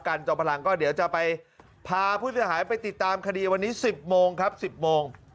จอมพลังก็เดี๋ยวจะไปพาผู้เสียหายไปติดตามคดีวันนี้๑๐โมงครับ๑๐โมง